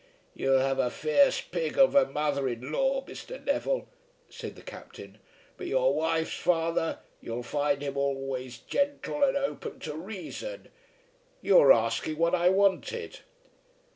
"You'll have a fierce pig of a mother in law, Mr. Neville," said the Captain, "but your wife's father, you'll find him always gentle and open to reason. You were asking what I wanted."